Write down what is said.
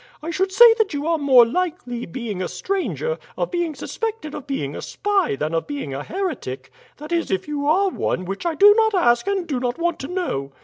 I should say that you are more likely, being a stranger, of being suspected of being a spy than of being a heretic that is if you are one, which I do not ask and do not want to know.